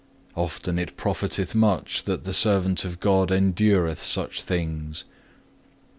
Often it profiteth much, that the servant of God endureth such things.